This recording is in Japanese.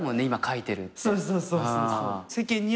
「今書いてる」って。